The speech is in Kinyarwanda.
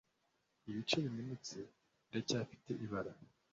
ibice bimenetse biracyafite ibara